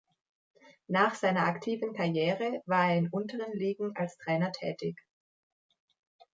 Nach seiner aktiven Karriere war er in unteren Ligen als Trainer tätig.